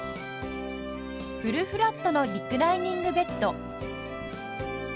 フルフラットのリクライニングベッド